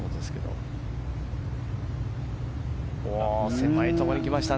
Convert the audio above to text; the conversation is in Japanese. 狭いところに行きました。